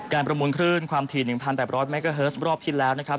การประมูลขึ้นความถี่หนึ่งพันแบบร้อยเมก้อเฮิร์สรอบที่แล้วนะครับ